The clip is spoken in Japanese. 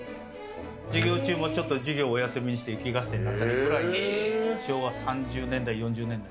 授業中もちょっと授業お休みにして、雪合戦だったりとか、昭和３０年代、４０年代。